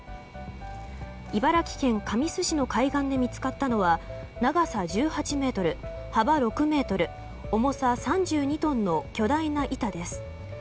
茨城県神栖市の海岸で見つかったのは長さ１８ｍ、幅６ｍ重さ３２トンの巨大な板です。